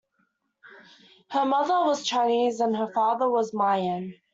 Her mother was Chinese and her father was Mayan.